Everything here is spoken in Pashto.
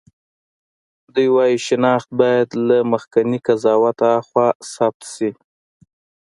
دوی وايي شناخت باید له مخکېني قضاوت هاخوا ثبت شي.